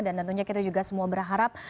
dan tentunya kita juga semua berharap